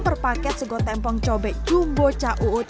per paket segotempong cobek jumbo caut